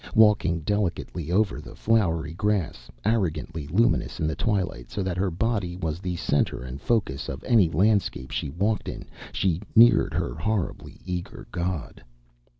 Walking delicately over the flowery grass, arrogantly luminous in the twilight, so that her body was the center and focus of any landscape she walked in, she neared her horribly eager god.